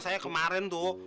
saya kemarin tuh